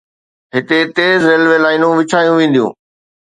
هتي تيز ريلوي لائينون وڇايون وينديون.